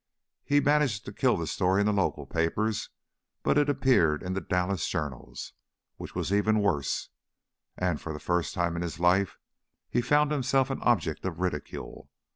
He managed to kill the story in the local papers, but it appeared in the Dallas journals, which was even worse, and for the first time in his life he found himself an object of ridicule.